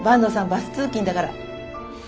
バス通勤だから。